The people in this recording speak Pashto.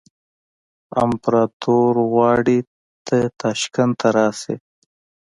امپراطور غواړي ته تاشکند ته راشې.